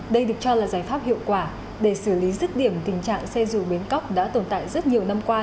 đây được cho là giải pháp hiệu quả để xử lý dứt điểm tình trạng xe dù bến cóc đã tồn tại rất nhiều năm qua